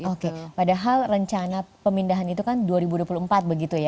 oke padahal rencana pemindahan itu kan dua ribu dua puluh empat begitu ya